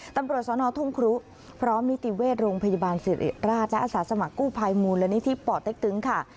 ตำรวจสนทุ่มครุพร้อมนิติเวทย์โรงพยาบาลเศรษฐราชและอสสมกุภายมูลนิธิปเต๊กตึงค่ะ